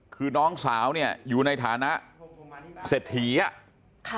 คือน้องสาวเนี่ยอยู่ในฐานะเสถียะ